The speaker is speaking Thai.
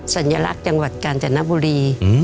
สัญลักษณ์จะกลางจันทร์บุรี